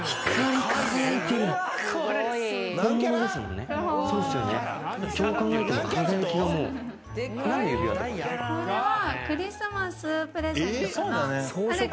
謎のクリスマスプレゼント。